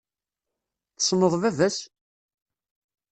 Tessneḍ baba-s?